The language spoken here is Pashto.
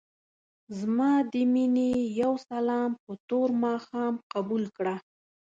ځما دې مينې يو سلام په تور ماښام قبول کړه.